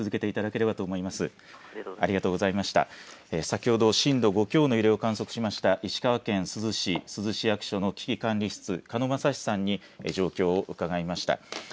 先ほど震度５強の揺れを観測しました石川県珠洲市、珠洲市役所の危機管理室下野将司さんに状況を伺いました。